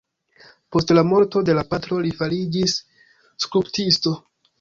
Post la morto de la patro li fariĝis skulptisto.